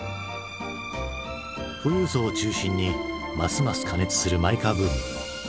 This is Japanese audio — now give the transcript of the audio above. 富裕層を中心にますます過熱するマイカーブーム。